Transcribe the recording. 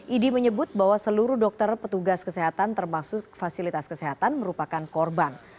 idi menyebut bahwa seluruh dokter petugas kesehatan termasuk fasilitas kesehatan merupakan korban